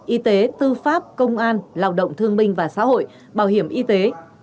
y tế tư pháp công an lao động thương minh và xã hội bảo hiểm y tế